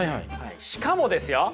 しかもですよ